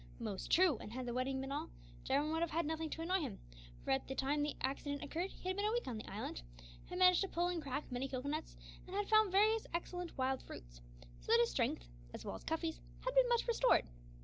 Most true; and had the wetting been all, Jarwin would have had nothing to annoy him; for at the time the accident occurred he had been a week on the island, had managed to pull and crack many cocoa nuts, and had found various excellent wild fruits, so that his strength, as well as Cuffy's, had been much restored.